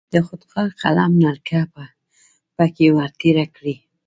د خودکار قلم نلکه پکې ور تیره کړئ.